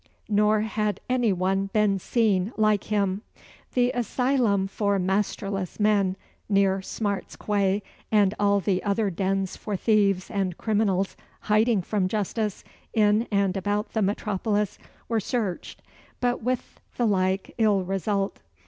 Nor had any one been seen like him. The asylum for "masterless men," near Smart's Quay, and all the other dens for thieves and criminals hiding from justice, in and about the metropolis, were searched, but with the like ill result.